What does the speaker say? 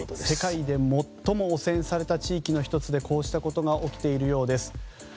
世界で最も汚染された地域の１つでこうしたことが起きているようです。